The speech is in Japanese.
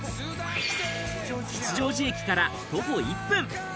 吉祥寺駅から徒歩１分。